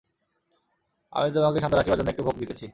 আমি তোমাকে শান্ত রাখিবার জন্য একটু ভোগ দিতেছি।